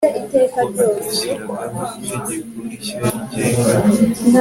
ko atashyiragaho itegeko rishya rigenga